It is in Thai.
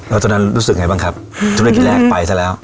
แล้วตอนนั้นรู้สึกไงบ้างครับธุรกิจแรกไปซะแล้ว